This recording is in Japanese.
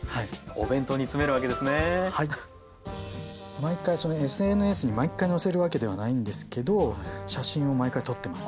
毎回ＳＮＳに毎回載せるわけではないんですけど写真を毎回撮ってます。